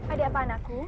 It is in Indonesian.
ada apa anakku